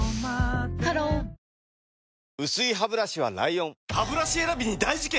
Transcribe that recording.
ハロー薄いハブラシは ＬＩＯＮハブラシ選びに大事件！